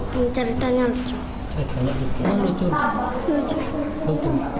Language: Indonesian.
pengen nantarlah kuda